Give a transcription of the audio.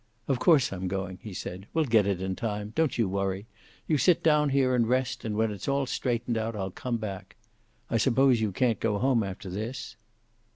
"Of course I'm going," he said. "We'll get it in time. Don't you worry. You sit down here and rest, and when it's all straightened out I'll come back. I suppose you can't go home, after this?"